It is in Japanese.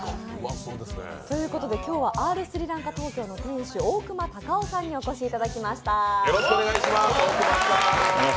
今日はＲスリランカＴＯＫＹＯの店主、大隈崇生さんにお越しいただきました。